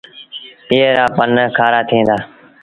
ايئي رآ پن کآرآ ٿئيٚݩ دآ۔